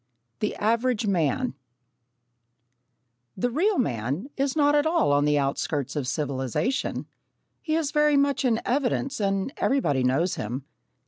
The Average Man The real man is not at all on the outskirts of civilisation. He is very much in evidence and everybody knows him.